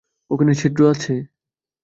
ওখানে ছিদ্র আছে?